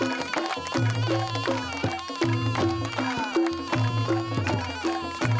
walaupun ini merupakan ini